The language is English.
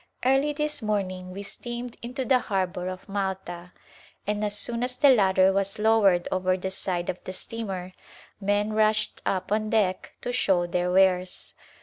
Early this morning we steamed into the harbor of Malta, and as soon as the ladder was lowered over the side of the steamer men rushed up on deck to show their wares.